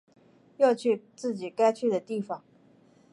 要去自己该去的地方